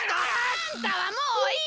あんたはもういい！